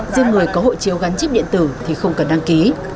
riêng người có hộ chiếu gắn chip điện tử thì không cần đăng ký